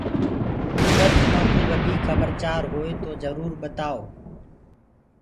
اگر تمآنٚ ڪوُ وڌيٚڪ کبر چآر هوئي تو جرور ٻتآيو